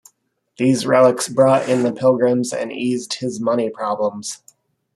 These relics brought in the pilgrims and eased his money problems.